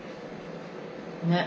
ねっ？